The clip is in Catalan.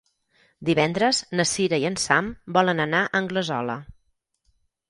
Divendres na Cira i en Sam volen anar a Anglesola.